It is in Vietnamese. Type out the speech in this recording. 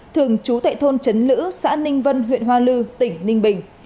thường chú tệ thôn trấn lữ xã ninh vân huyện hoa lư tỉnh ninh bình